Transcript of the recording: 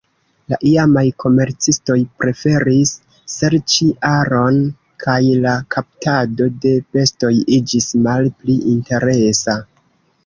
La iamaj komercistoj preferis serĉi oron kaj la kaptado de bestoj iĝis malpli interesa.